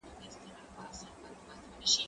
هغه وويل چي کتابتوني کار مهم دي؟!